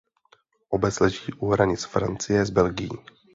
Obec leží u hranic Francie s Belgií.